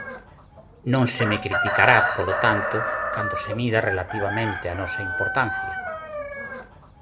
Non se me criticará, polo tanto, cando se mida relativamente a nosa importancia.